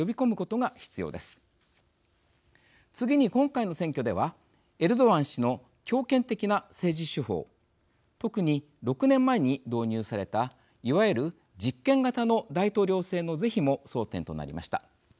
次に今回の選挙ではエルドアン氏の強権的な政治手法特に６年前に導入されたいわゆる実権型の大統領制の是非も争点となりました。